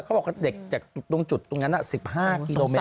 เขาบอกว่าเด็กจากตรงจุดตรงนั้น๑๕กิโลเมต